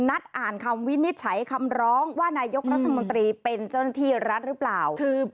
นัดอ่านคำวินิจฉัยคำร้องว่านายกรัฐมนตรีเป็นเจ้าหน้าที่รัฐหรือเปล่า